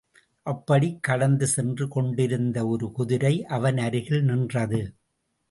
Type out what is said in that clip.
அப்படிக் கடந்து சென்று கொண்டிருந்த ஒரு குதிரை அவன் அருகிலே நின்றது.